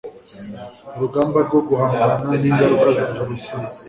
urugamba rwo guhangana n'ingaruka za jenoside